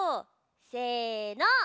せの。